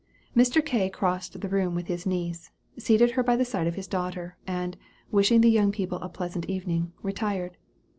Mr. K. crossed the room with his niece, seated her by the side of his daughter, and, wishing the young people a pleasant evening, retired.